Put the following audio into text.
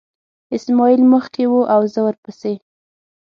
اسماعیل مخکې و او زه ورپسې.